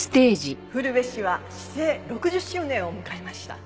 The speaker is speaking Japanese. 古辺市は市制６０周年を迎えました。